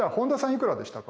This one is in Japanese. いくらでしたか？